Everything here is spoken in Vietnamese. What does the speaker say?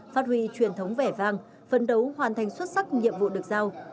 phát huy truyền thống vẻ vang phấn đấu hoàn thành xuất sắc nhiệm vụ được giao